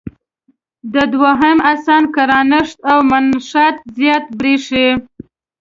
د دویم حسن ګرانښت او منښت زیات برېښي.